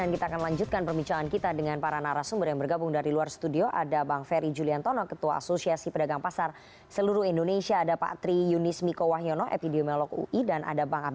kita segera kembali usai jeda jalan kemana mana